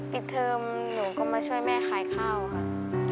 เทอมหนูก็มาช่วยแม่ขายข้าวค่ะ